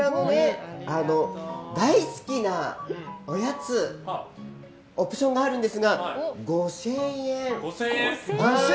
大好きなおやつのオプションがあるんですが５０００円。